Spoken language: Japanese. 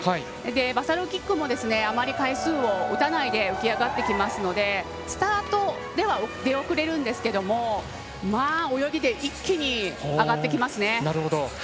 バサロキックもあまり回数を打たないで浮き上がってきますのでスタートでは出遅れるんですが泳ぎで一気に上がってきますね。